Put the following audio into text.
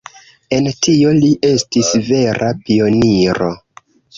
En tio, li estis vera pioniro.